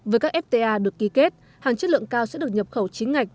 với các fta được ký kết hàng chất lượng cao sẽ được nhập khẩu chính ngạch